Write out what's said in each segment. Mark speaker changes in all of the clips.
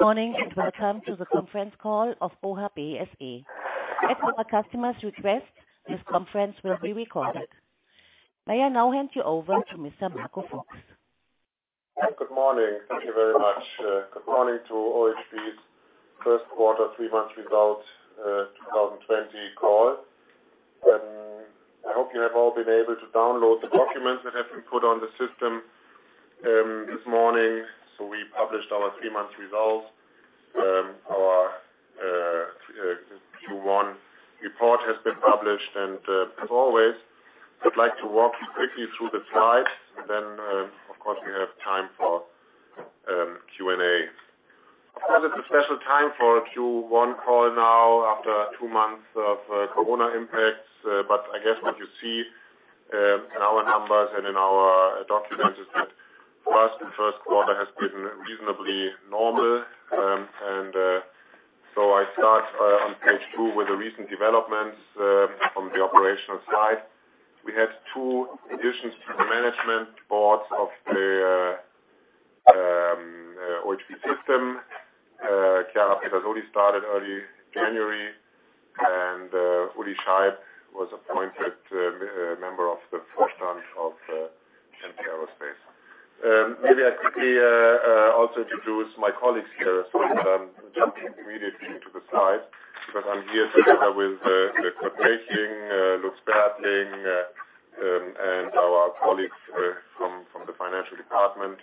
Speaker 1: Morning, welcome to the conference call of OHB SE. At our customer's request, this conference will be recorded. May I now hand you over to Mr. Marco Fuchs.
Speaker 2: Good morning. Thank you very much. Good morning to OHB's first quarter three-month results 2020 call. I hope you have all been able to download the documents that have been put on the system this morning. We published our three-month results. Our Q1 report has been published, and as always, I'd like to walk you quickly through the slides. Of course, we have time for Q&A. This is a special time for a Q1 call now after two months of COVID-19 impacts. I guess what you see in our numbers and in our documents is that the first quarter has been reasonably normal. I start on page two with the recent developments from the operational side. We had two additions to the management boards of the OHB System. Chiara Pedersoli started early January, Uli Scheib was appointed a member of the Vorstand of MT Aerospace. Maybe I quickly also introduce my colleagues here as well. Jump immediately to the slide, because I'm here together with Kurt Melching, Lutz Bertling, and our colleagues from the financial department,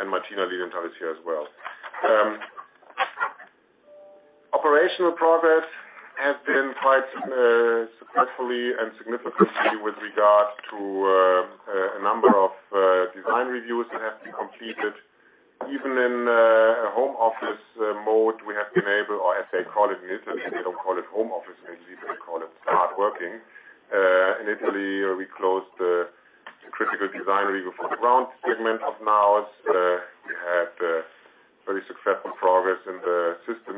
Speaker 2: and Martina Lilienthal is here as well. Operational progress has been quite successfully and significantly with regard to a number of design reviews that have been completed. Even in a home office mode, we have been able or as they call it in Italy, they don't call it home office in Italy, they call it smart working. In Italy, we closed the critical design review for the ground segment of NAOS. We had very successful progress in the system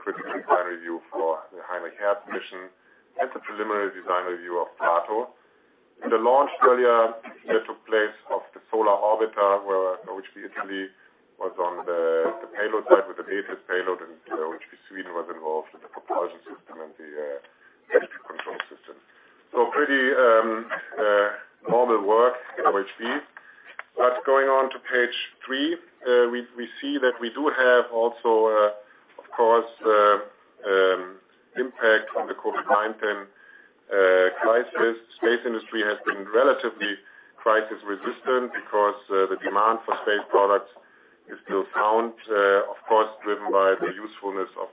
Speaker 2: critical design review for the Heinrich Hertz mission and the preliminary design review of PLATO. In the launch earlier that took place of the Solar Orbiter, where OHB Italy was on the payload side with the latest payload and OHB Sweden was involved with the propulsion system and the electric control system. Pretty normal work in OHB. Going on to page three, we see that we do have also, of course, impact from the COVID-19 crisis. Space industry has been relatively crisis resistant because the demand for space products is still sound, of course, driven by the usefulness of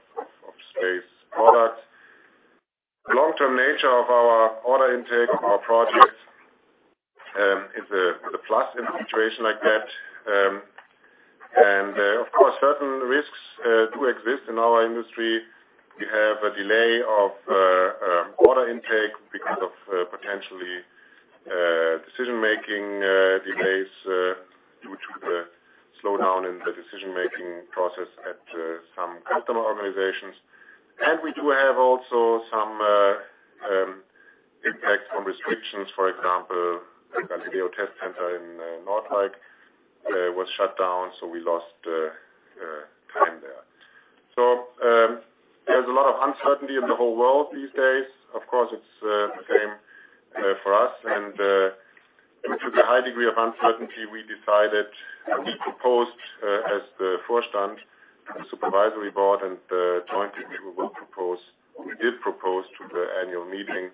Speaker 2: space products. The long-term nature of our order intake, our projects, is a plus in a situation like that. Of course, certain risks do exist in our industry. We have a delay of order intake because of potentially decision-making delays due to the slowdown in the decision-making process at some customer organizations. We do have also some impact from restrictions. For example, the Galileo test center in Noordwijk was shut down, we lost time there. There's a lot of uncertainty in the whole world these days. Of course, it's the same for us. Due to the high degree of uncertainty, we decided, we proposed as the Vorstand, the supervisory board, and the joint review. We did propose to the annual meeting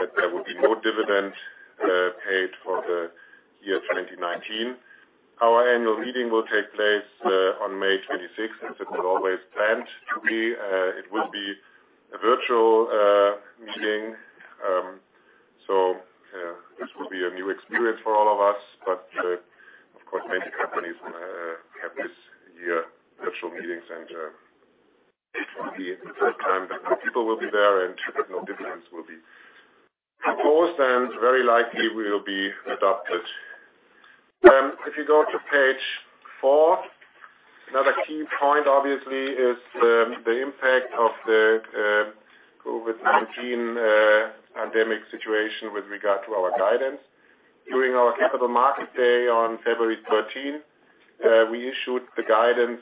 Speaker 2: that there would be no dividend paid for the year 2019. Our annual meeting will take place on May 26th, as it was always planned to be. It will be a virtual meeting. This will be a new experience for all of us, but of course, many companies have this year virtual meetings, and it will be the first time the people will be there, and no dividends will be proposed and very likely will be adopted. If you go to page four, another key point obviously is the impact of the COVID-19 pandemic situation with regard to our guidance. During our capital market day on February 13th, we issued the guidance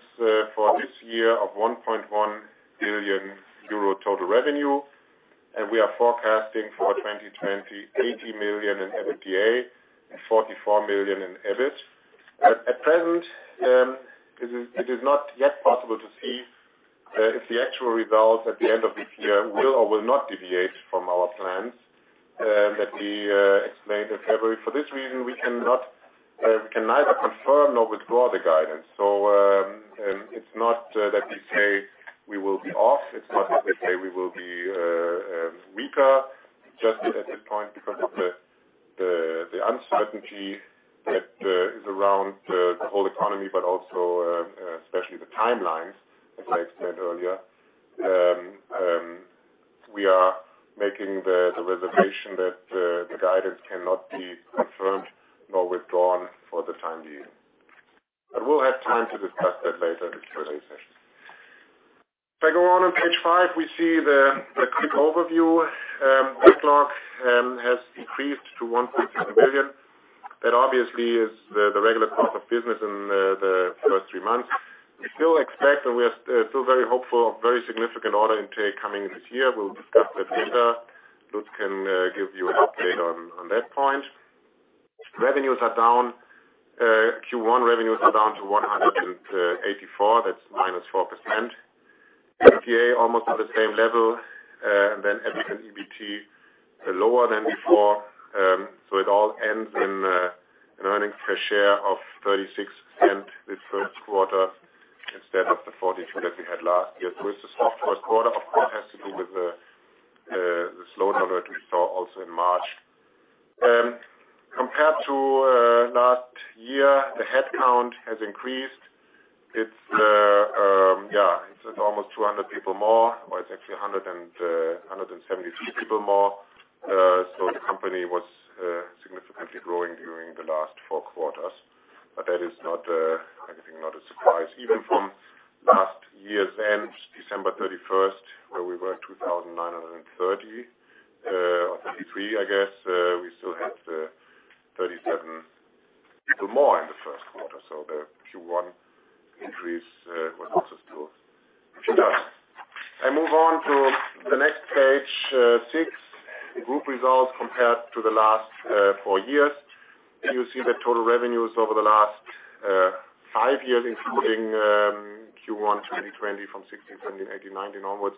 Speaker 2: for this year of 1.1 billion euro total revenue. We are forecasting for 2020, 80 million in EBITDA and 44 million in EBIT. At present, it is not yet possible to see if the actual results at the end of this year will or will not deviate from our plans that we explained in February. For this reason, we can neither confirm nor withdraw the guidance. It's not that we say we will be off. It's not that we say we will be weaker. Just at this point, because of the uncertainty that is around the whole economy, but also especially the timelines, as I explained earlier. We are making the reservation that the guidance cannot be confirmed nor withdrawn for the time being. We'll have time to discuss that later in the Q&A session. If I go on page five, we see the quick overview. Backlog has decreased to 1.3 billion. That obviously is the regular course of business in the first three months. We still expect, and we are still very hopeful, of very significant order intake coming this year. We'll discuss that later. Lutz can give you an update on that point. Q1 revenues are down to 184. That's -4%. EBITDA almost at the same level, EBIT and EBT are lower than before. It all ends in an earnings per share of 0.36 this first quarter instead of the 0.42 that we had last year. It's a softer quarter, of course, basically with the slow number that we saw also in March. Compared to last year, the headcount has increased. It's almost 200 people more, or it's actually 173 people more. The company was significantly growing during the last four quarters. That is, I think, not a surprise. Even from last year's end, December 31st, where we were at 2,930 or 2,933, I guess, we still had 37 people more in the first quarter. The Q1 increase was also good. I move on to the next page six, group results compared to the last four years. You see the total revenues over the last five years, including Q1 2020 from 2016, 2017, 2018, 2019 onwards,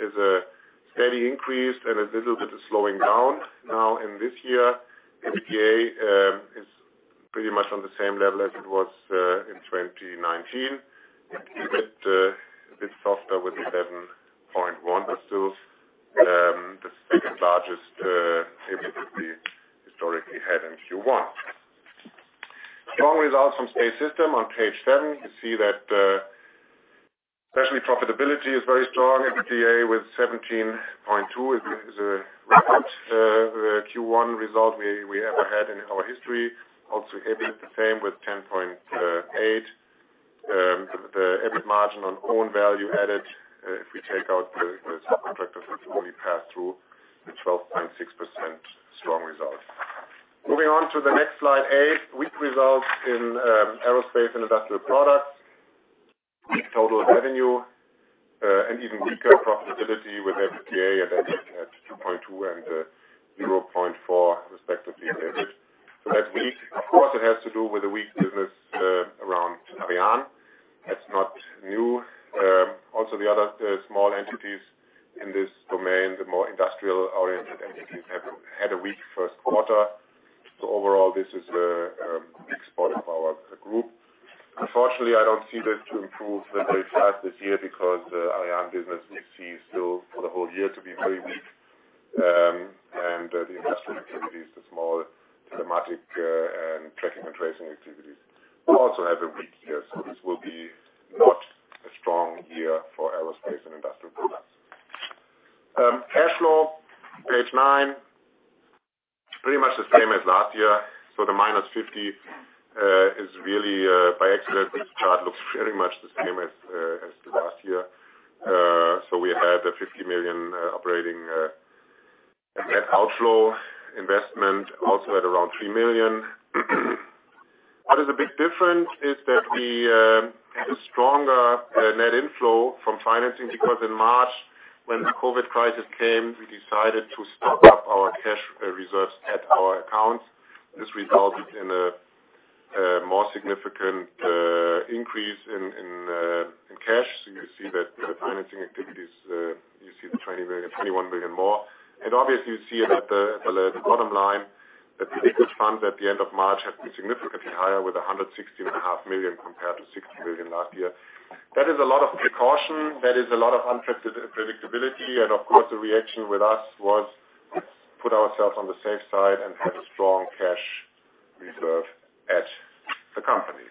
Speaker 2: is a steady increase and a little bit of slowing down now in this year. EBITDA is pretty much on the same level as it was in 2019. Still the second-largest EBITDA we historically had in Q1. Strong results from Space Systems on page seven. You see that especially profitability is very strong. EBITDA with 17.2 is a record Q1 result we ever had in our history. EBIT the same with 10.8. The EBIT margin on own value added, if we take out the subcontractor who only passed through, a 12.6% strong result. Moving on to the next slide, eight, weak results in aerospace and industrial products. Weak total revenue, even weaker profitability with EBITDA and EBIT at 2.2 and 0.4 respectively in EBIT. That's weak. Of course, it has to do with the weak business around Ariane. That's not new. The other small entities in this domain, the more industrial-oriented entities, have had a weak first quarter. Overall, this is a weak spot of our group. Unfortunately, I don't see that to improve very fast this year because the Ariane business we see still for the whole year to be very weak. The industrial activities, the small telematic and tracking and tracing activities will also have a weak year. This will be not a strong year for aerospace and industrial products. Cash flow, page nine, pretty much the same as last year. The minus 50 is really by accident. This chart looks very much the same as the last year. We had a 50 million operating net outflow. Investment also at around 3 million. What is a bit different is that we had a stronger net inflow from financing because in March, when the COVID crisis came, we decided to stock up our cash reserves at our accounts. This resulted in a more significant increase in cash. You see that the financing activities, you see the 21 million more. Obviously, you see that the bottom line, that the liquid funds at the end of March have been significantly higher with 160.5 million compared to 60 million last year. That is a lot of precaution. That is a lot of unpredictability. Of course, the reaction with us was put ourselves on the safe side and have a strong cash reserve at the company.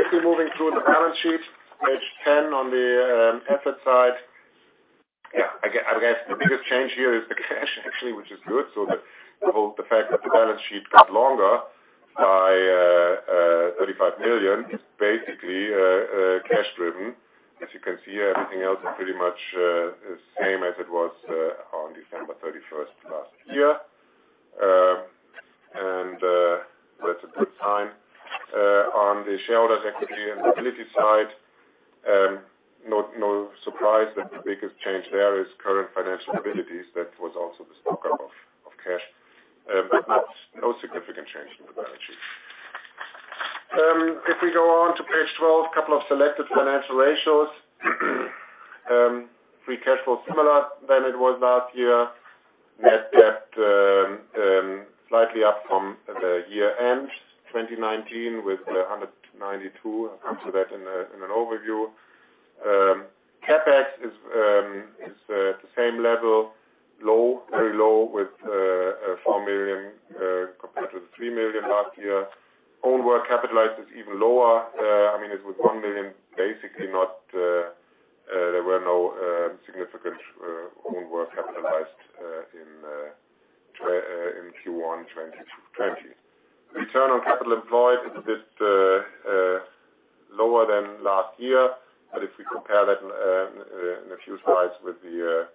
Speaker 2: If we're moving through the balance sheet, page 10 on the asset side. I guess the biggest change here is the cash, actually, which is good. The fact that the balance sheet got longer by 35 million, basically cash-driven. As you can see, everything else is pretty much the same as it was on December 31st last year. That's a good sign. On the shareholders' equity and liability side, no surprise that the biggest change there is current financial liabilities. That was also the stock-up of cash. No significant change in the balance sheet. If we go on to page 12, a couple of selected financial ratios. Free cash flow, similar than it was last year. Net debt, slightly up from the year-end 2019 with 192 million. I'll come to that in an overview. CapEx is the same level, low, very low, with 4 million compared to the 3 million last year. Own work capitalized is even lower. I mean, it was 1 million, basically not. There were no significant own work capitalized in Q1 2020. Return on capital employed is a bit lower than last year. If we compare that in a few slides with the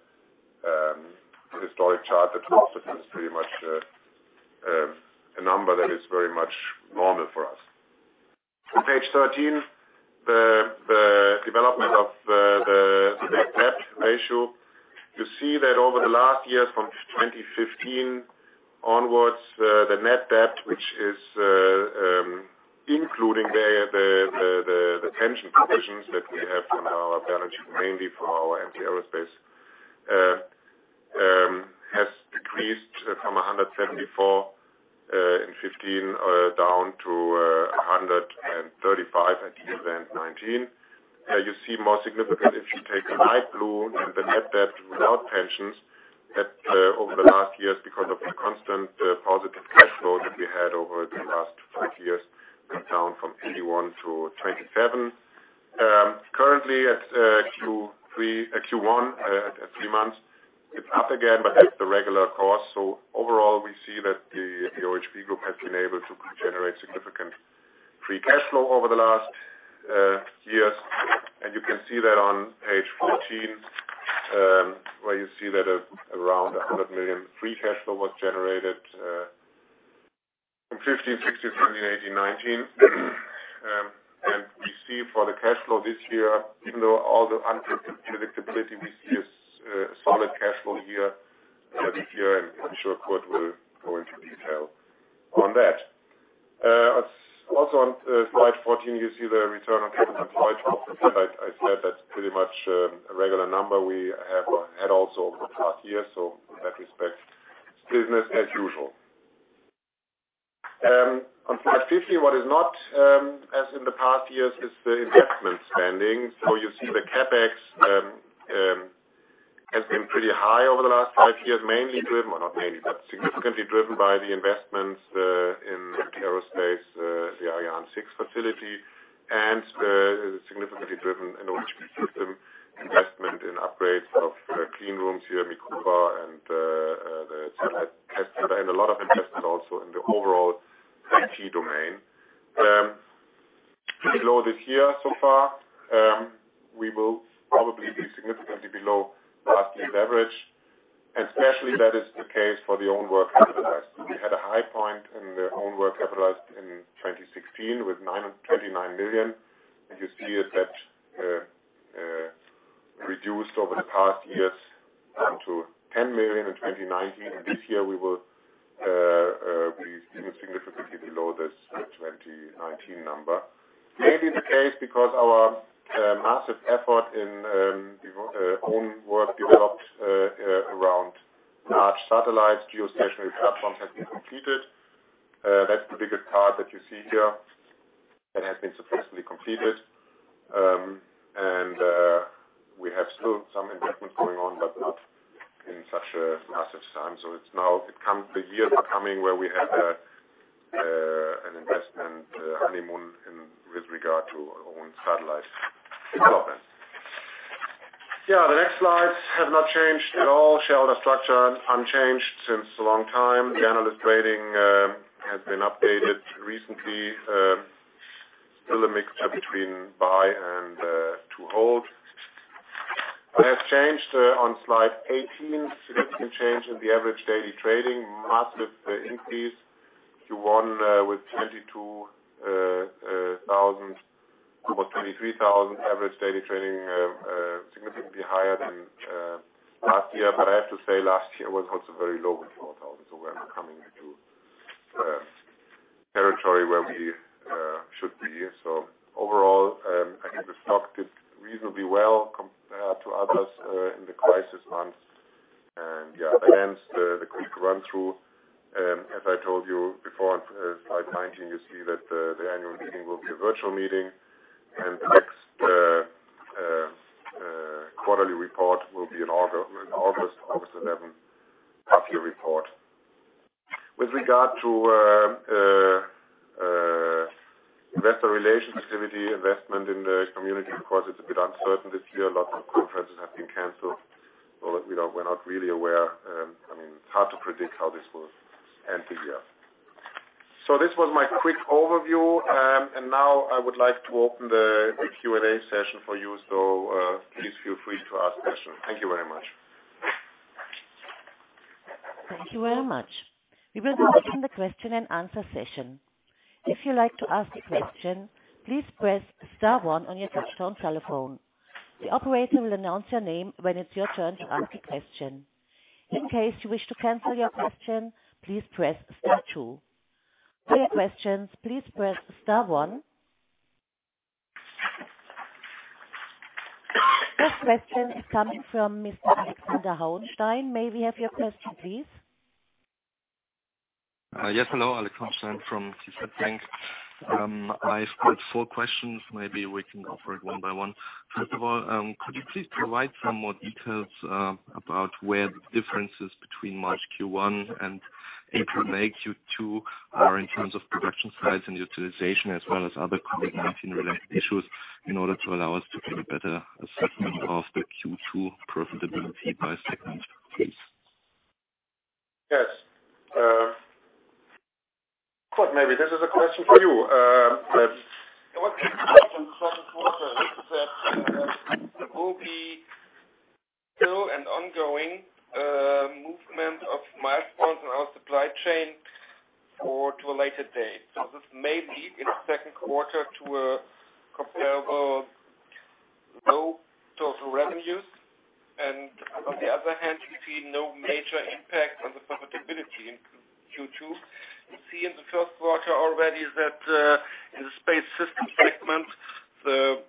Speaker 2: historic chart that follows, it is pretty much a number that is very much normal for us. On page 13, the development of the net debt ratio. You see that over the last years, from 2015 onwards, the net debt, which is including the pension provisions that we have on our balance sheet, mainly for our MT Aerospace, has decreased from 174 million in 2015, down to 135 million at year-end 2019. You see more significant if you take the light blue and the net debt without pensions over the last years, because of the constant positive cash flow that we had over the last five years, went down from EUR 81 million to EUR 27 million. Currently at Q1, at three months, it's up again. That's the regular course. Overall, we see that the OHB Group has been able to generate significant free cash flow over the last years. You can see that on page 14, where you see that around 100 million free cash flow was generated in 2015, 2016, 2017, 2018, 2019. We see for the cash flow this year, even though all the unpredictability, we see a solid cash flow here this year. I'm sure Kurt will go into detail on that. On slide 14, you see the return on capital employed. Like I said, that's pretty much a regular number we have had also over the past years. In that respect, it's business as usual. On slide 15, what is not as in the past years is the investment spending. You see the CapEx has been pretty high over the last five years, significantly driven by the investments in aerospace, the Ariane 6 facility, and significantly driven in OHB System investment in upgrades of clean rooms here at Mikroba and the satellite testing. Below this year so far, we will probably be significantly below last year average, especially that is the case for the own work capitalized. We had a high point in the own work capitalized in 2016 with 29 million. You see that reduced over the past years down to 10 million in 2019. This year we will be significantly below this 2019 number. Mainly the case because our massive effort in own work developed around large satellites, geostationary platforms, has been completed. That's the bigger part that you see here, that has been successfully completed. We have still some investment going on, but not in such a massive sum. The years are coming where we have an investment honeymoon with regard to our own satellite development. The next slides have not changed at all. Shareholder structure unchanged since a long time. The analyst rating has been updated recently. Still a mixture between buy and to hold. What has changed on slide 18, significant change in the average daily trading, massive increase to one with 22,000, almost 23,000 average daily trading, significantly higher than last year. I have to say, last year was also very low with 4,000. We are now coming into territory where we should be. Overall, I think the stock did reasonably well compared to others in the crisis months. Yeah, hence the quick run through. As I told you before, on slide 19, you see that the annual meeting will be a virtual meeting. The next quarterly report will be in August 11, half year report. With regard to investor relations activity, investment in the community, of course, it's a bit uncertain this year. Lots of conferences have been canceled. We're not really aware. It's hard to predict how this will end the year. This was my quick overview. Now I would like to open the Q&A session for you. Please feel free to ask questions. Thank you very much.
Speaker 1: Thank you very much. We will now open the question and answer session. If you'd like to ask a question, please press star one on your touch tone telephone. The operator will announce your name when it's your turn to ask a question. In case you wish to cancel your question, please press star two. For questions, please press star one. First question is coming from Mr. Alexander Hauenstein. May we have your question, please?
Speaker 3: Yes, hello. Alexander from DZ Bank. I've got four questions. Maybe we can go through it one by one. First of all, could you please provide some more details about where the difference is between March Q1 and April and Q2 are in terms of production size and utilization as well as other COVID-19-related issues in order to allow us to get a better assessment of the Q2 profitability by segment, please.
Speaker 2: Yes. Kurt, maybe this is a question for you.
Speaker 4: One question from second quarter is that there will be still an ongoing movement of milestones in our supply chain for to a later date. This may lead in the second quarter to a comparable low total revenues. On the other hand, we see no major impact on the profitability in Q2. We see in the first quarter already that in the Space Systems segment, the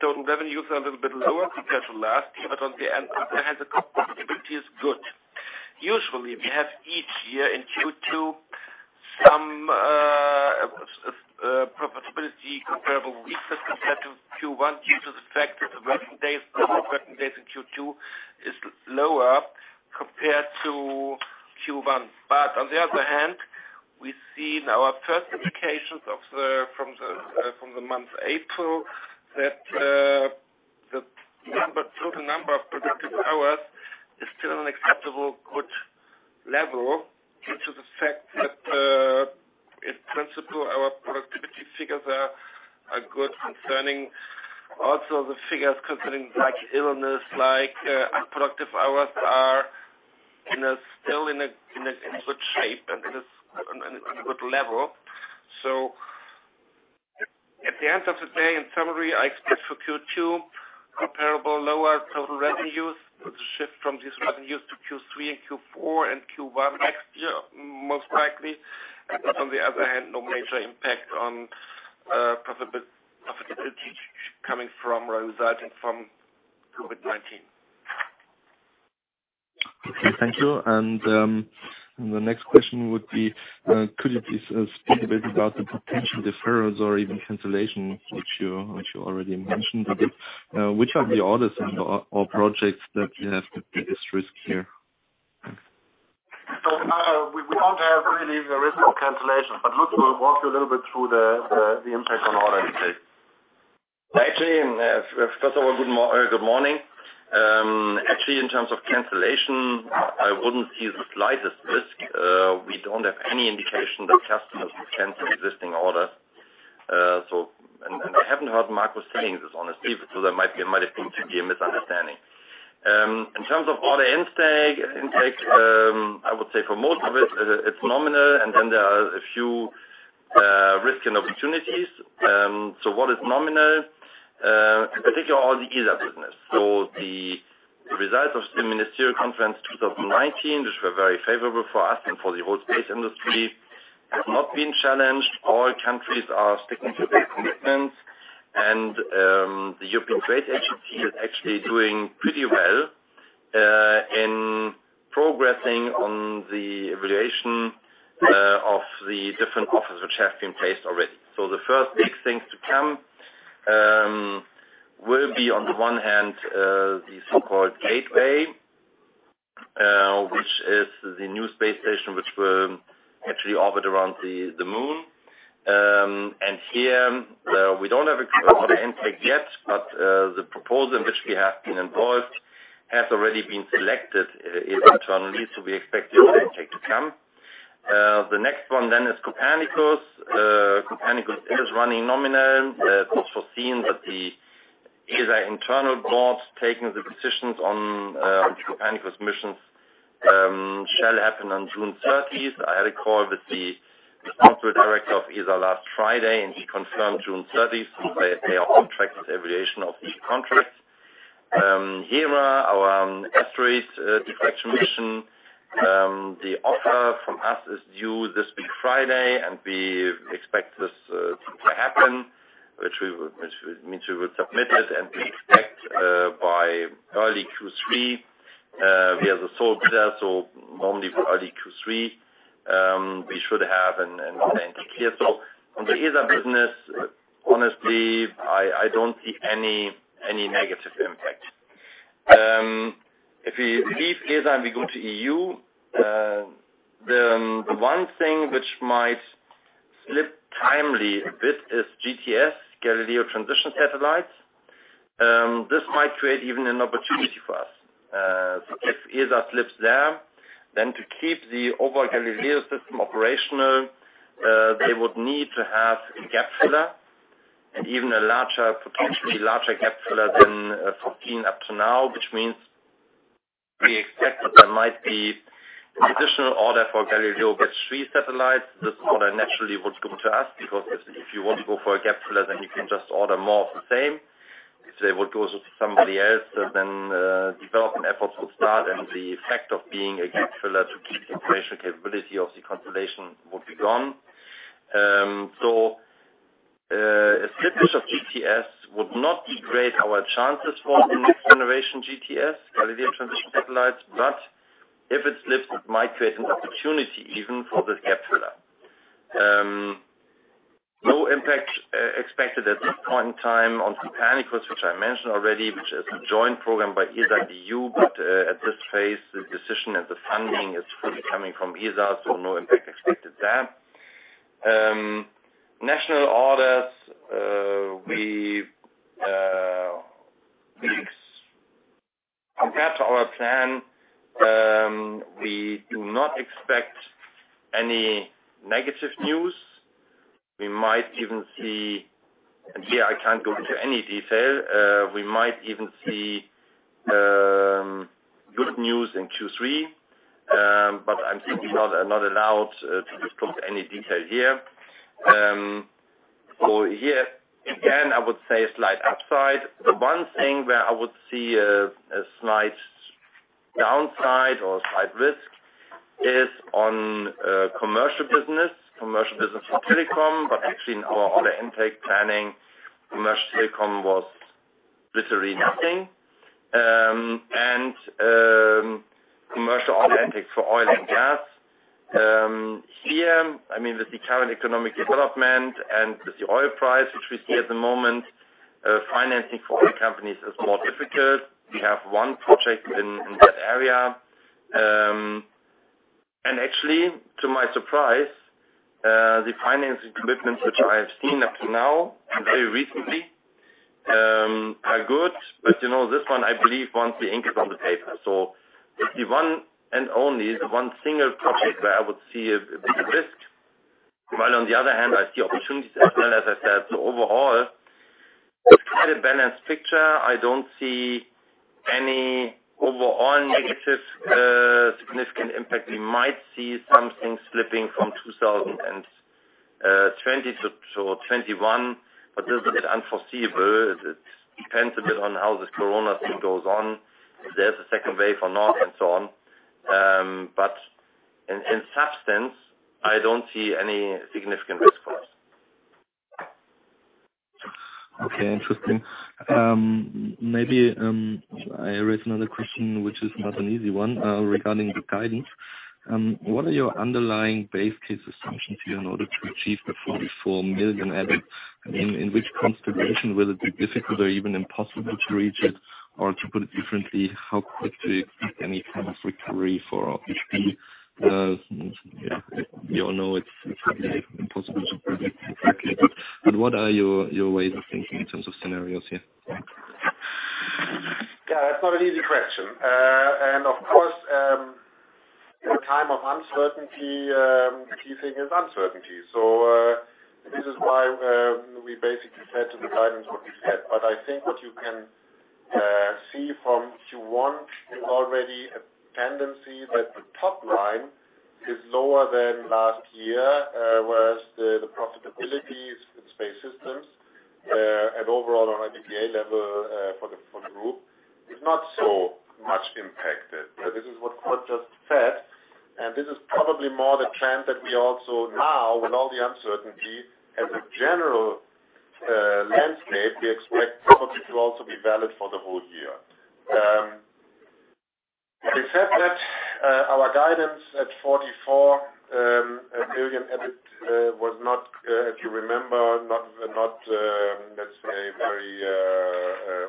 Speaker 4: total revenues are a little bit lower compared to last year, but on the other hand, the profitability is good. Usually, we have each year in Q2 some profitability comparable weaker compared to Q1 due to the fact that the working days in Q2 is lower compared to Q1. On the other hand, we see now first indications from the month April that the total number of productive hours is still an acceptable good level due to the fact that, in principle, our productivity figures are good concerning also the figures concerning like illness, like unproductive hours are still in a good shape and on a good level. At the end of the day, in summary, I expect for Q2 comparable lower total revenues with a shift from these revenues to Q3 and Q4 and Q1 next year, most likely. On the other hand, no major impact on profitability coming from or resulting from COVID-19.
Speaker 3: Okay, thank you. The next question would be, could you please speak a bit about the potential deferrals or even cancellation, which you already mentioned. Which are the orders or projects that you have the biggest risk here? Thanks.
Speaker 4: We don't have really the risk of cancellation, but Lutz will walk you a little bit through the impact on order intake.
Speaker 5: First of all, good morning. In terms of cancellation, I wouldn't see the slightest risk. We don't have any indication that customers cancel existing orders. I haven't heard Marco saying this, honestly. That might have been a misunderstanding. In terms of order intake, I would say for most of it's nominal, and then there are a few risks and opportunities. What is nominal? Particularly all the ESA business. The results of the ministerial conference 2019, which were very favorable for us and for the whole space industry, have not been challenged. All countries are sticking to their commitments. The European Space Agency is actually doing pretty well in progressing on the evaluation of the different offers which have been placed already. The first big things to come will be, on the one hand, the so-called Gateway, which is the new space station which will actually orbit around the moon. Here, we don't have order intake yet, but the proposal in which we have been involved has already been selected internally, we expect the order intake to come. The next one then is Copernicus. Copernicus is running nominal. It's foreseen that the ESA internal boards taking the decisions on the Copernicus missions shall happen on June 30th. I had a call with the responsible director of ESA last Friday, and he confirmed June 30th. They are on track with evaluation of these contracts. Hera, our asteroids deflection mission, the offer from us is due this week, Friday, and we expect this to happen, which means we will submit it and we expect by early Q3. We are the sole bidder. Normally by early Q3, we should have an intake here. On the ESA business, honestly, I don't see any negative impact. If we leave ESA and we go to E.U., the one thing which might slip timely a bit is GTS, Galileo Transition Satellites. This might create even an opportunity for us. If ESA slips there, then to keep the overall Galileo system operational, they would need to have a gap filler and even a potentially larger gap filler than 14 up to now, which means we expect that there might be an additional order for Galileo G3 satellites. This order naturally would come to us because if you want to go for a gap filler, then you can just order more of the same. If they would go to somebody else, then development efforts would start and the effect of being a gap filler to keep the operational capability of the constellation would be gone. A slippage of GTS would not degrade our chances for the next generation GTS, Galileo Transition Satellites. If it slips, it might create an opportunity even for this gap filler. Expected at this point in time on some Copernicus, which I mentioned already, which is a joint program by ESA and E.U. At this phase, the decision and the funding is fully coming from ESA. No impact expected there. National orders, we think compared to our plan, we do not expect any negative news. We might even see, here I can't go into any detail, we might even see good news in Q3. I'm simply not allowed to disclose any detail here. Here again, I would say a slight upside. The one thing where I would see a slight downside or slight risk is on commercial business for telecom, but actually in our order intake planning, commercial telecom was literally nothing. Commercial order intake for oil and gas. Here, I mean with the current economic development and with the oil price, which we see at the moment, financing for oil companies is more difficult. We have one project in that area. Actually, to my surprise, the financing commitments which I have seen up to now, very recently, are good. This one, I believe, once we ink it on the paper. It's the one and only, the one single project where I would see a bigger risk, while on the other hand, I see opportunities as well, as I said. Overall, it's quite a balanced picture. I don't see any overall negative significant impact. We might see something slipping from 2020 to 2021, but this is a bit unforeseeable. It depends a bit on how this Corona thing goes on, if there's a second wave or not, and so on. In substance, I don't see any significant risk for us.
Speaker 3: Okay, interesting. Maybe I read another question, which is not an easy one, regarding the guidance. What are your underlying base case assumptions here in order to achieve the 44 million EBIT? In which constellation will it be difficult or even impossible to reach it? To put it differently, how quick do you expect any kind of recovery for OHB? We all know it's impossible to predict exactly, what are your ways of thinking in terms of scenarios here?
Speaker 2: That's not an easy question. Of course, in a time of uncertainty, the key thing is uncertainty. This is why we basically said to the guidance what we said. I think what you can see from Q1 is already a tendency that the top line is lower than last year, whereas the profitability in Space Systems, and overall on an EBITDA level for the group is not so much impacted. This is what Kurt just said, and this is probably more the trend that we also now, with all the uncertainty as a general landscape, we expect it to also be valid for the whole year. With the said that, our guidance at 44 million EBIT was not, if you remember, let's say very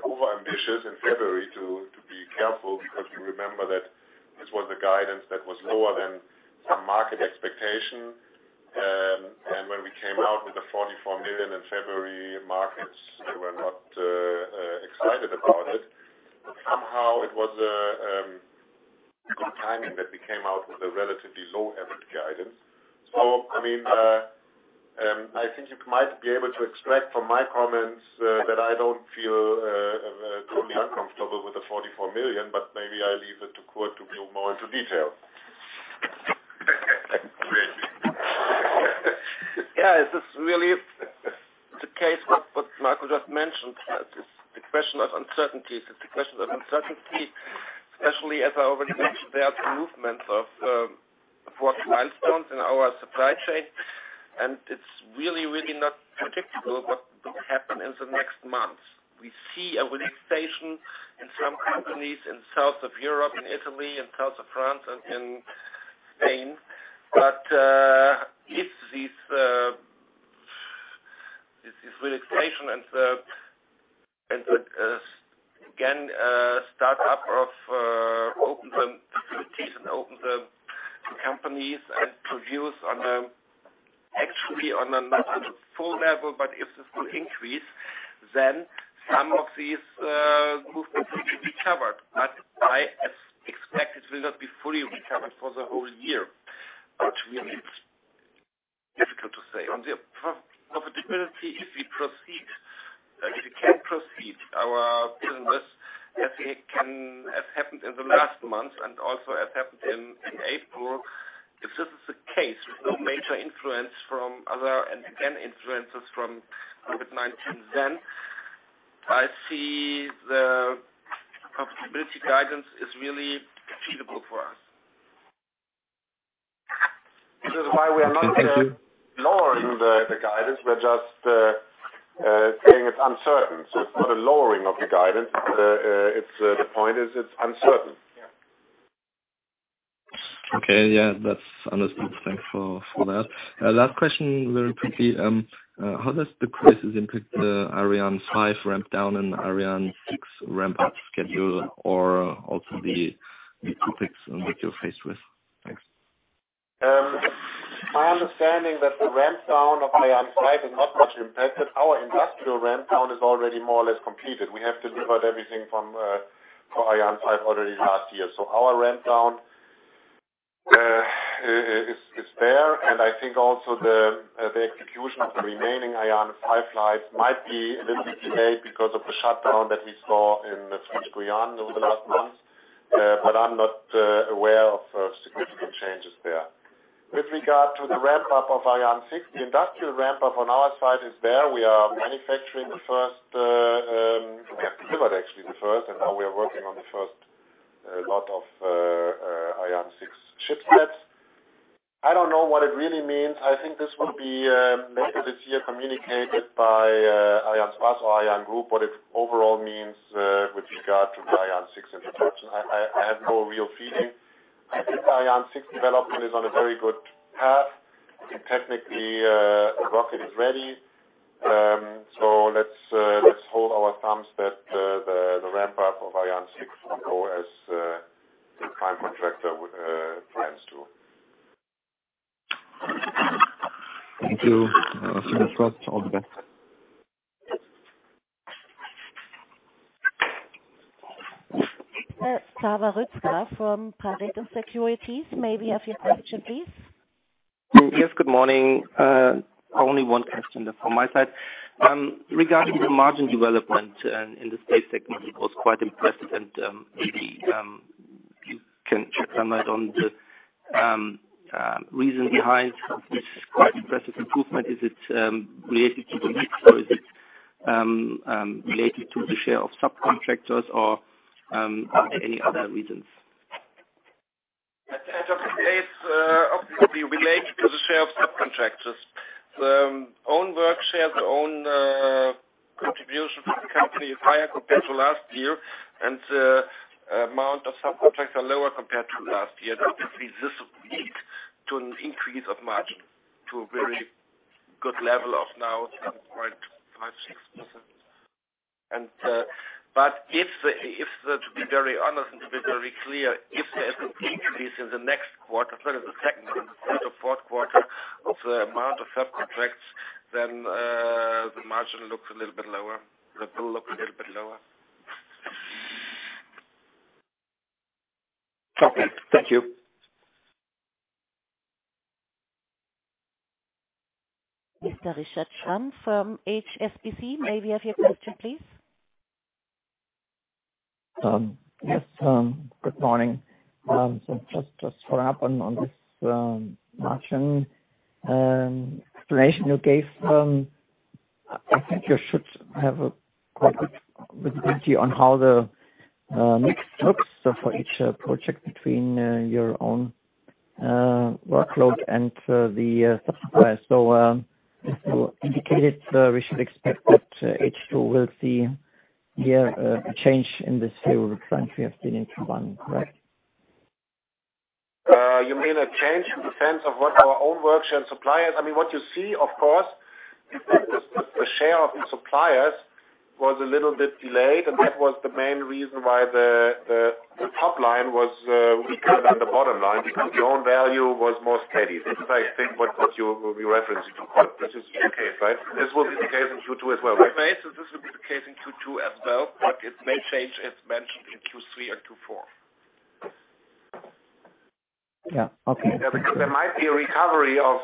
Speaker 2: overambitious in February to be careful because you remember that this was the guidance that was lower than some market expectation. When we came out with the 44 million in February, markets were not excited about it. Somehow it was good timing that we came out with a relatively low EBIT guidance. I think you might be able to extract from my comments that I don't feel totally uncomfortable with the 44 million, but maybe I leave it to Kurt to go more into detail.
Speaker 4: Great. It is really the case what Marco just mentioned. It's the question of uncertainty. It's the question of uncertainty, especially as I already mentioned, there are movements of important milestones in our supply chain, and it's really not predictable what will happen in the next months. We see a relaxation in some companies in south of Europe, in Italy, in South of France, and in Spain. If this relaxation and the, again, startup of open some facilities and open the companies and produce actually on a not full level, but if this will increase, then some of these movements will be recovered. I expect it will not be fully recovered for the whole year. Really, it's difficult to say. On the profitability, if we proceed, if we can proceed our business as it can, as happened in the last month and also as happened in April, if this is the case, with no major influence from other and again influences from COVID-19, I see the profitability guidance is really feasible for us.
Speaker 2: This is why we are not lowering the guidance. We're just saying it's uncertain. It's not a lowering of the guidance. The point is it's uncertain.
Speaker 3: Okay. Yeah, that's understood. Thanks for that. Last question, very quickly. How does the crisis impact the Ariane 5 ramp down and Ariane 6 ramp up schedule or also the topics that you're faced with? Thanks.
Speaker 4: My understanding that the ramp down of Ariane 5 is not much impacted. Our industrial ramp down is already more or less completed. We have delivered everything for Ariane 5 already last year. Our ramp down is there, and I think also the execution of the remaining Ariane 5 flights might be a little bit delayed because of the shutdown that we saw in French Guiana over the last months. I'm not aware of significant changes there. With regard to the ramp up of Ariane 6, the industrial ramp up on our side is there. We are manufacturing. We have delivered, actually, the first, and now we are working on the first lot of Ariane 6 ship sets. I don't know what it really means. I think this will be later this year communicated by Arianespace or ArianeGroup what it overall means with regard to the Ariane 6 introduction. I have no real feeling. I think Ariane 6 development is on a very good path. I think technically, the rocket is ready. Let's hold our thumbs that the ramp up of Ariane 6 will go as the prime contractor plans to.
Speaker 3: Thank you. Thanks for the trust. All the best.
Speaker 1: Mr. Zafer Rüzgar from Pareto Securities, may we have your question, please?
Speaker 6: Yes, good morning. Only one question from my side. Regarding the margin development in the Space Systems segment, it was quite impressive. Maybe you can shed some light on the reason behind this quite impressive improvement. Is it related to the mix, or is it related to the share of subcontractors or are there any other reasons?
Speaker 4: At the end of the day, it's obviously related to the share of subcontractors. The own work share, the own contribution from the company is higher compared to last year, and the amount of subcontractors are lower compared to last year. That is the lead to an increase of margin to a very good level of now 7.56%. To be very honest and to be very clear, if there is an increase in the next quarter, that is the second and the third or fourth quarter, of the amount of subcontracts, then the margin looks a little bit lower. The bill looks a little bit lower.
Speaker 6: Okay. Thank you.
Speaker 1: Mr. Richard Schramm from HSBC, may we have your question, please?
Speaker 7: Yes. Good morning. Just to follow up on this margin explanation you gave. I think you should have a quite good visibility on how the mix looks for each project between your own workload and the suppliers. As you indicated, we should expect that H2 will see here a change in this here, which frankly, I've seen in Q1, correct?
Speaker 4: You mean a change in the sense of what our own work share and suppliers. What you see, of course, the share of suppliers was a little bit delayed, and that was the main reason why the top line was weaker than the bottom line because your own value was more steady. This is, I think, what you will be referencing to. This is the case, right? This will be the case in Q2 as well, right? This will be the case in Q2 as well. It may change, as mentioned, in Q3 and Q4.
Speaker 7: Yeah. Okay.
Speaker 4: Yeah, because there might be a recovery, of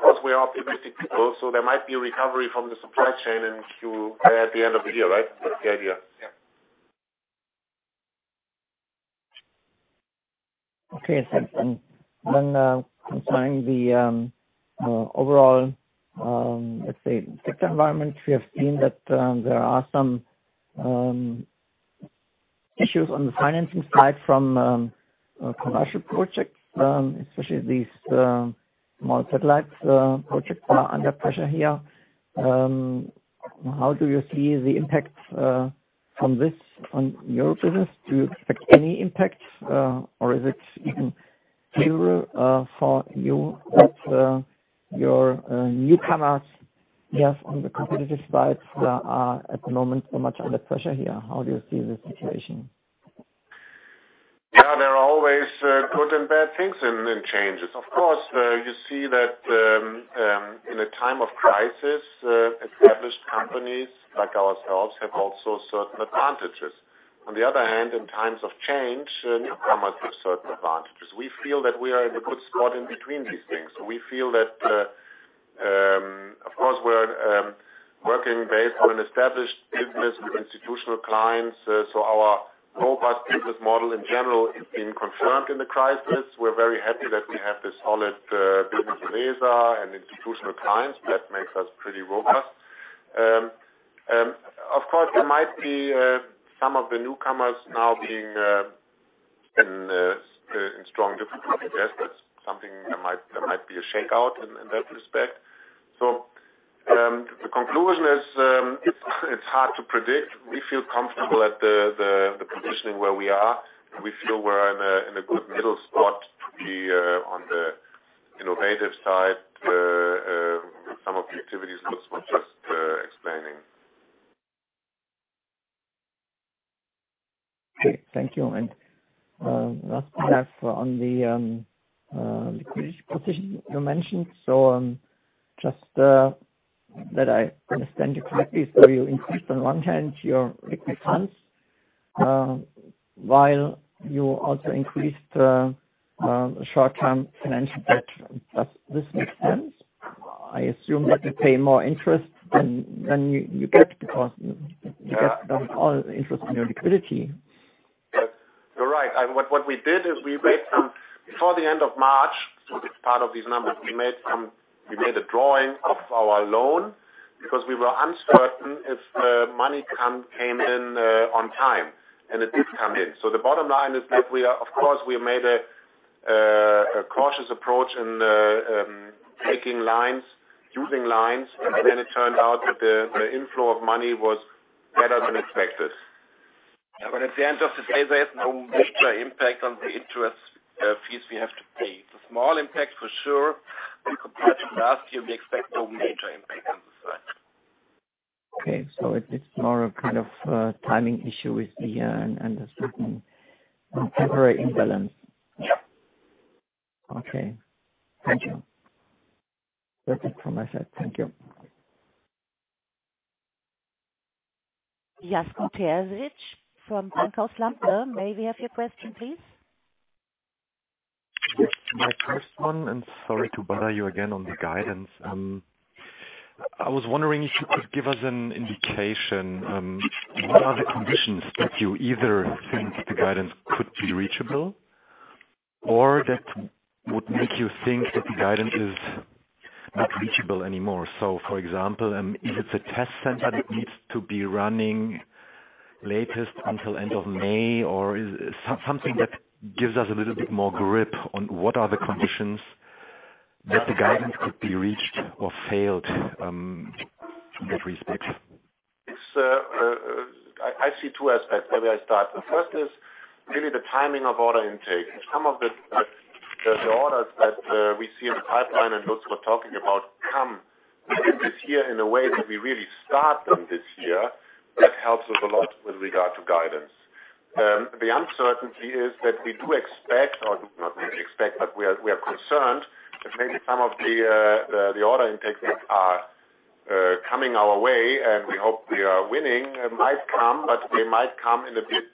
Speaker 4: course, we are optimistic people, so there might be a recovery from the supply chain at the end of the year, right? That's the idea. Yeah.
Speaker 7: Okay, thanks. Concerning the overall, let's say, sector environment, we have seen that there are some issues on the financing side from commercial projects, especially these small satellites projects are under pressure here. How do you see the impact from this on your business? Do you expect any impact, or is it even clearer for you that your newcomers here on the competitive side are at the moment so much under pressure here? How do you see the situation?
Speaker 2: Yeah, there are always good and bad things in changes. Of course, you see that in a time of crisis, established companies like ourselves have also certain advantages. On the other hand, in times of change, newcomers have certain advantages. We feel that we are in a good spot in between these things. We feel that, of course, we're working based on an established business with institutional clients, so our robust business model, in general, is being confirmed in the crisis. We're very happy that we have this solid business base and institutional clients. That makes us pretty robust. Of course, there might be some of the newcomers now being in strong difficulty. There might be a shakeout in that respect. The conclusion is it's hard to predict. We feel comfortable at the positioning where we are, and we feel we're in a good middle spot to be on the innovative side. Some of the activities Lutz was just explaining.
Speaker 7: Great. Thank you. Last we have on the liquidity position you mentioned. Just that I understand you correctly. You increased on one hand your liquid funds, while you also increased the short-term financial debt. Does this make sense? I assume that you pay more interest than you get because you get all the interest on your liquidity.
Speaker 2: Yes, you're right. What we did is we made Before the end of March, so this is part of these numbers. We made a drawing of our loan because we were uncertain if the money came in on time, and it did come in. The bottom line is that we are, of course, we made a cautious approach in taking lines, using lines, and then it turned out that the inflow of money was better than expected. At the end of the day, there is no major impact on the interest fees we have to pay. It's a small impact for sure, but compared to last year, we expect no major impact on this front.
Speaker 7: Okay, it's more a kind of timing issue with the uncertain temporary imbalance.
Speaker 2: Yeah.
Speaker 7: Okay. Thank you. That's it from my side. Thank you.
Speaker 1: Jasko Terzic from Bankhaus Lampe. May we have your question, please?
Speaker 8: My first one, sorry to bother you again on the guidance. I was wondering if you could give us an indication, what are the conditions that you either think the guidance could be reachable or that would make you think that the guidance is not reachable anymore? For example, if it's a test center that needs to be running latest until end of May, or is it something that gives us a little bit more grip on what are the conditions that the guidance could be reached or failed, in that respect?
Speaker 2: I see two aspects. Where do I start? The first is really the timing of order intake. Some of the orders that we see in the pipeline and Lutz was talking about come in this year in a way that we really start them this year. That helps us a lot with regard to guidance. The uncertainty is that we do expect, or not really expect, but we are concerned that maybe some of the order intakes that are coming our way, and we hope we are winning, might come, but they might come in a bit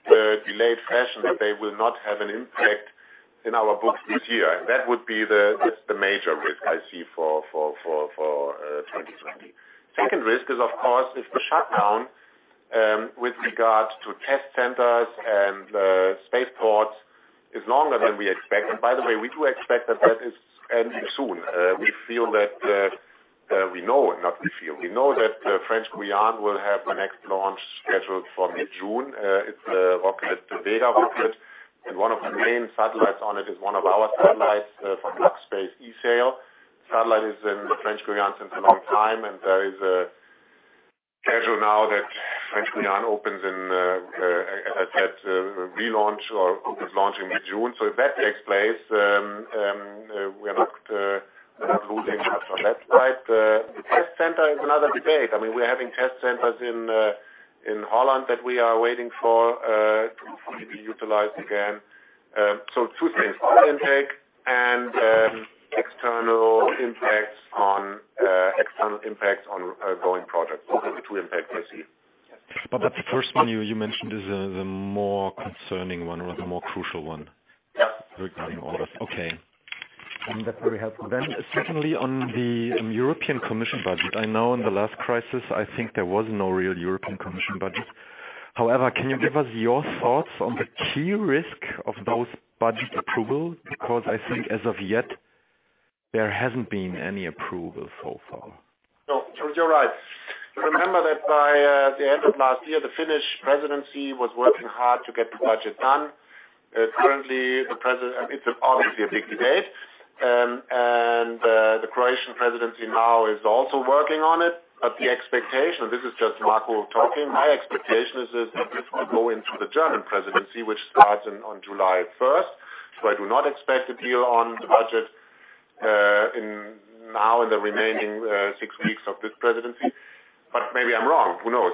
Speaker 2: delayed fashion, that they will not have an impact in our books this year. That would be just the major risk I see for 2020. Second risk is, of course, if the shutdown with regard to test centers and space ports is longer than we expect. By the way, we do expect that that is ending soon. We know, not we feel. We know that French Guiana will have the next launch scheduled for mid-June. It's the Vega rocket, and one of the main satellites on it is one of our satellites from LuxSpace ESAIL. Satellite is in the French Guiana since a long time, and there is a schedule now that French Guiana opens in, I said, relaunch or opens launch in mid-June. If that takes place, we are not losing much on that side. The test center is another debate. We are having test centers in Holland that we are waiting for to finally be utilized again. Two things, order intake and external impacts on ongoing projects. Those are the two impacts I see.
Speaker 8: The first one you mentioned is the more concerning one or the more crucial one. Regarding orders. Okay. That's very helpful. Secondly, on the European Commission budget. I know in the last crisis, I think there was no real European Commission budget. Can you give us your thoughts on the key risk of those budget approval? I think as of yet, there hasn't been any approval so far.
Speaker 2: No, you're right. Remember that by the end of last year, the Finnish presidency was working hard to get the budget done. Currently, it's obviously a big debate. The Croatian presidency now is also working on it. The expectation, this is just Marco talking, my expectation is to go into the German presidency, which starts on July 1st. I do not expect a deal on the budget now in the remaining six weeks of this presidency, but maybe I'm wrong. Who knows?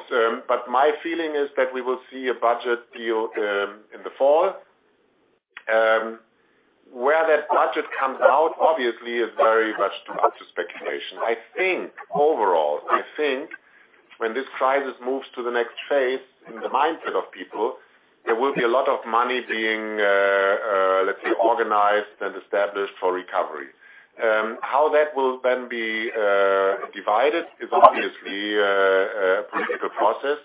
Speaker 2: My feeling is that we will see a budget deal in the fall. Where that budget comes out, obviously, is very much too much speculation. I think overall, I think when this crisis moves to the next phase in the mindset of people, there will be a lot of money being, let's say, organized and established for recovery. How that will then be divided is obviously a political process.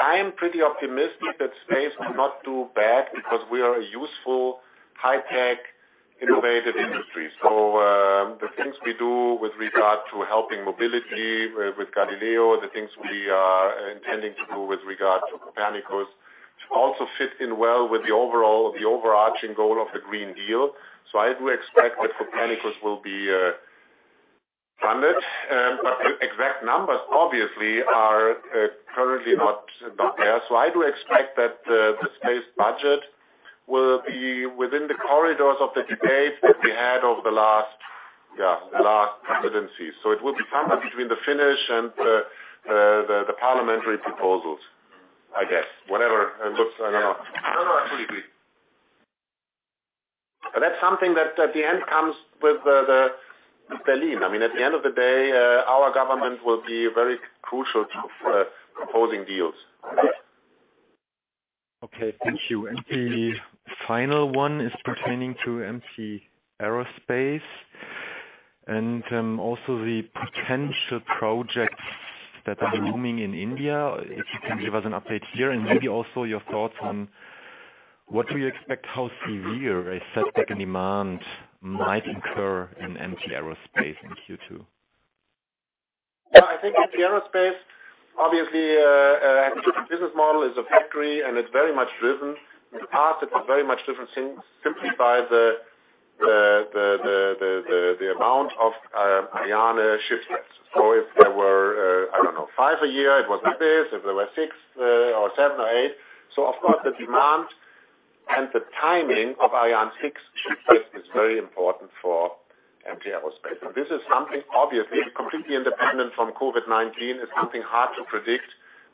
Speaker 2: I am pretty optimistic that space will not do bad because we are a useful high-tech, innovative industry. The things we do with regard to helping mobility with Galileo, the things we are intending to do with regard to Copernicus to also fit in well with the overarching goal of the Green Deal. I do expect that Copernicus will be funded, but the exact numbers obviously are currently not there. I do expect that the space budget will be within the corridors of the debate that we had over the last presidency. It will be somewhere between the Finnish and the parliamentary proposals, I guess. Whatever it looks, I don't know.
Speaker 5: No, I fully agree.
Speaker 2: That's something that at the end comes with the lean. I mean, at the end of the day, our government will be very crucial to proposing deals.
Speaker 8: Okay, thank you. The final one is pertaining to MT Aerospace and also the potential projects that are looming in India. If you can give us an update here and maybe also your thoughts on what do you expect, how severe a setback in demand might incur in MT Aerospace in Q2?
Speaker 2: Yeah, I think MT Aerospace, obviously, business model is a factory, and it's very much driven. In the past, it was very much driven simply by the amount of Ariane ship sets. If there were, I don't know, five a year, it was like this. If there were six or seven or eight. Of course, the demand and the timing of Ariane 6 ship set is very important for MT Aerospace. This is something obviously completely independent from COVID-19. It's something hard to predict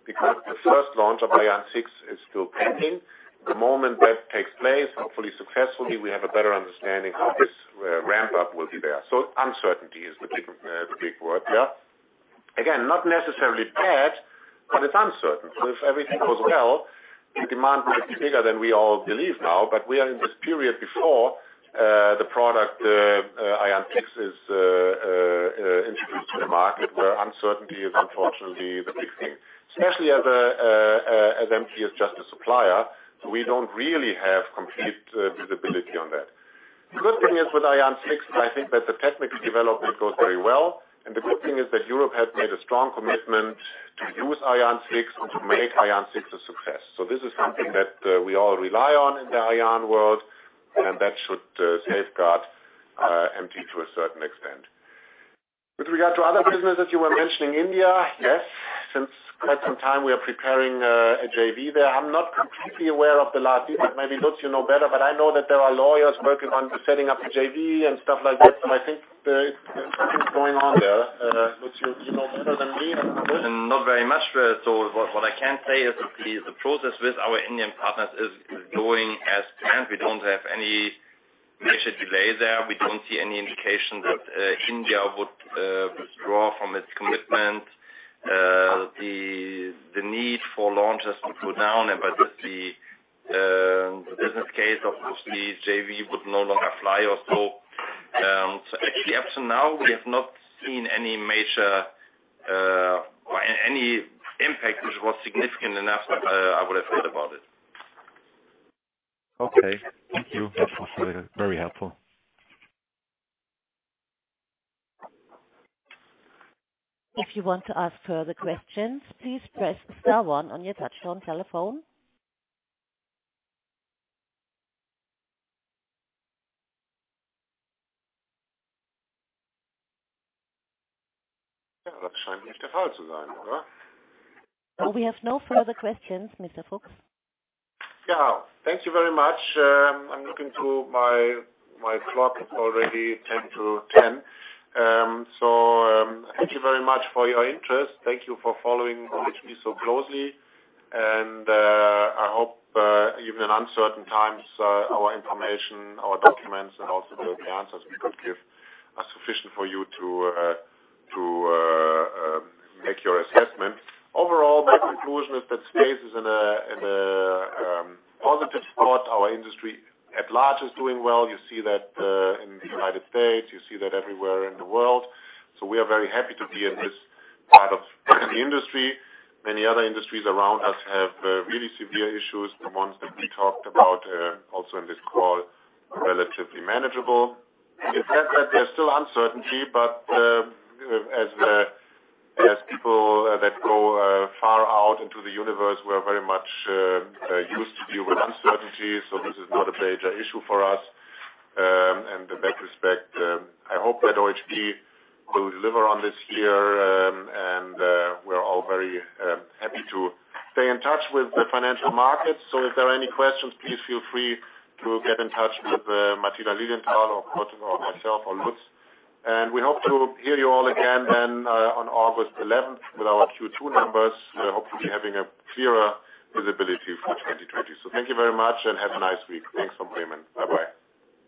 Speaker 2: because the first launch of Ariane 6 is still pending. The moment that takes place, hopefully successfully, we have a better understanding how this ramp up will be there. Uncertainty is the big word, yeah. Again, not necessarily bad, but it's uncertain. If everything goes well, the demand might be bigger than we all believe now, but we are in this period before the product Ariane 6 is introduced to the market, where uncertainty is unfortunately the big thing. Especially as MT is just a supplier, so we don't really have complete visibility on that. The good thing is with Ariane 6, I think that the technical development goes very well, and the good thing is that Europe has made a strong commitment to use Ariane 6 and to make Ariane 6 a success. This is something that we all rely on in the Ariane world, and that should safeguard MT to a certain extent. With regard to other businesses, you were mentioning India. Yes, since quite some time, we are preparing a JV there. I'm not completely aware of the last detail. Maybe Lutz, you know better, but I know that there are lawyers working on setting up a JV and stuff like that. I think something's going on there. Lutz, you know better than me.
Speaker 5: Not very much. What I can say is that the process with our Indian partners is going as planned. We don't have any major delays there. We don't see any indication that India would withdraw from its commitment. The need for launches went down and by this the business case of the JV would no longer fly or so. Actually up to now, we have not seen any impact which was significant enough that I would have heard about it.
Speaker 8: Okay. Thank you. That was very helpful.
Speaker 1: If you want to ask further questions, please press star one on your touchtone telephone.
Speaker 2: Yeah, that seems not to be the case, right?
Speaker 1: We have no further questions, Mr. Fuchs.
Speaker 2: Yeah. Thank you very much. I'm looking to my clock, already 10 to 10:00 A.M. Thank you very much for your interest. Thank you for following OHB so closely, and I hope, even in uncertain times, our information, our documents, and also the answers we could give are sufficient for you to make your assessment. Overall, my conclusion is that space is in a positive spot. Our industry at large is doing well. You see that in the United States, you see that everywhere in the world. We are very happy to be in this part of the industry. Many other industries around us have really severe issues. The ones that we talked about, also in this call, are relatively manageable. It's said that there's still uncertainty, but as people that go far out into the universe, we are very much used to deal with uncertainty. This is not a major issue for us. In that respect, I hope that OHB will deliver on this year. We're all very happy to stay in touch with the financial market. If there are any questions, please feel free to get in touch with Martina Lilienthal or myself or Lutz. We hope to hear you all again then on August 11th with our Q2 numbers, hopefully having a clearer visibility for 2020. Thank you very much and have a nice week. Thanks so much. Bye-bye.